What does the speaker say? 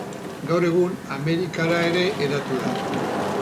Gaur egun, Amerikara ere hedatu da.